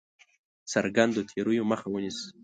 څرګندو تېریو مخه ونیسي.